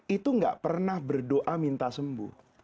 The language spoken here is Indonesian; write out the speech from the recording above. itu gak pernah berdoa minta sembuh